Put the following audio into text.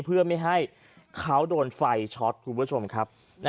เพื่อไม่ให้เขาโดนไฟช็อตคุณผู้ชมครับ